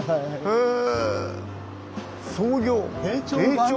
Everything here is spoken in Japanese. へえ。